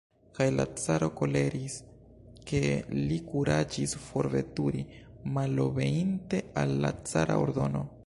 Kaj la caro koleris, ke li kuraĝis forveturi, malobeinte al la cara ordono.